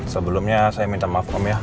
sebelumnya saya minta maaf ya